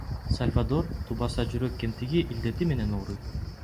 Сальвадор тубаса жүрөк кемтиги илдети менен ооруйт.